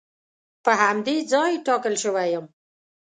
په همدې ځای ټاکل شوی یم.